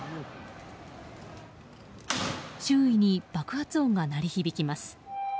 周囲に爆発音が鳴り響きます。